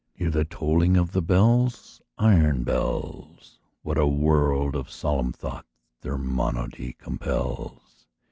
Hear the tolling of the bells Iron bells What a world of solemn thought their monody compels!